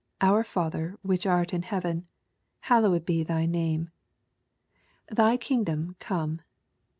Our Father which art ui neaven, Hallowed be thy name. Thy kingdom come.